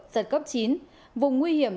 giật cấp chín vùng nguy hiểm